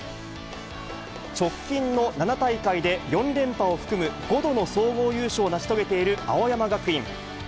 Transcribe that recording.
直近の７大会で４連覇を含む、５度の総合優勝を成し遂げている青山学院。